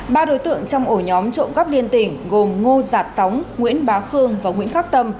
ba đối tượng trong ổ nhóm trộm cắp liên tỉnh gồm ngô giạt sóng nguyễn bá khương và nguyễn khắc tâm